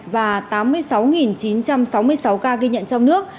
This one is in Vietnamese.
và tám mươi sáu chín trăm sáu mươi sáu ca ghi nhận trong nước